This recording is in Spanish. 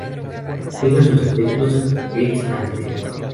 Despliega sus efectos ex ante.